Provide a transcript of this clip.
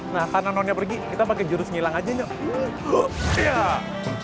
nah karena nonnya pergi kita pakai jurus ngilang aja yuk